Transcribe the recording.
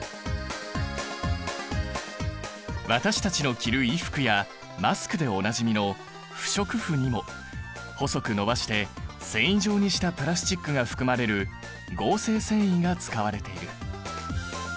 私たちの着る衣服やマスクでおなじみの不織布にも細く伸ばして繊維状にしたプラスチックが含まれる合成繊維が使われている。